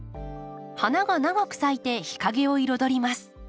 花が長く咲いて日かげを彩ります。